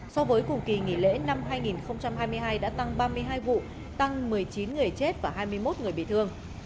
so với cùng kỳ nghỉ lễ năm hai nghìn hai mươi hai đã tăng ba mươi hai vụ tăng một mươi chín người chết và hai mươi một người bị thương